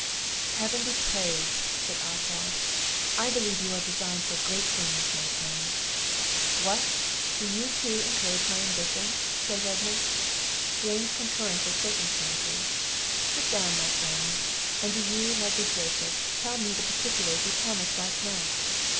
"Heaven be praised!" said Oswald: "I believe you are designed for great things, my son." "What! do you too encourage my ambition?" says Edmund; "strange concurrence of circumstances! Sit down, my friends; and do you, my good Joseph, tell me the particulars you promised last night."